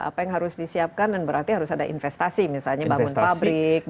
apa yang harus disiapkan dan berarti harus ada investasi misalnya bangun pabrik